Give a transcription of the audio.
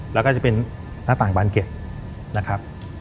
แล้วก็จะเป็นหน้าต่างบานเก็ตนะครับ